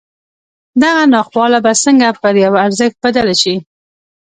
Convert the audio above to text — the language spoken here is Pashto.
دغه ناخواله به څنګه پر يوه ارزښت بدله شي.